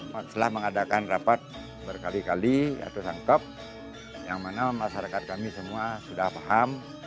setelah mengadakan rapat berkali kali atau sangkep yang mana masyarakat kami semua sudah paham